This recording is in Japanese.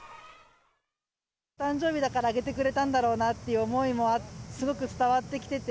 誕生日だから上げてくれたんだろうなという思いもすごく伝わってきてて。